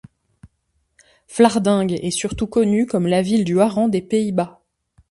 Flardingue est surtout connue comme la ville du hareng des Pays-Bas.